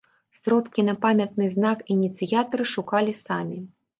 Сродкі на памятны знак ініцыятары шукалі самі.